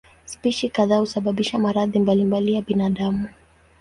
Spishi kadhaa husababisha maradhi mbalimbali ya binadamu.